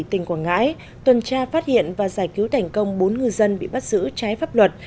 tỉnh quảng ngãi tuần tra phát hiện và giải cứu thành công bốn ngư dân bị bắt giữ trái pháp luật